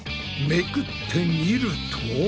めくってみると。